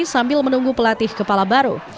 sambil menunggu pelatih kepala baru